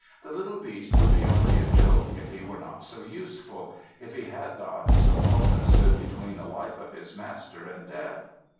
The little beast would be only a joke, if he were not so useful— if he had not so often stood between the life of his mas ter and death.